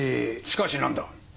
しかしなんだ？